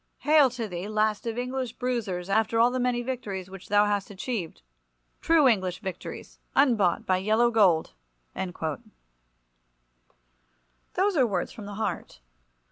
Hail to thee, last of English bruisers, after all the many victories which thou hast achieved—true English victories, unbought by yellow gold." Those are words from the heart.